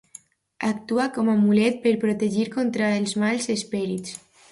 Actua com a amulet per protegir contra els mals esperits.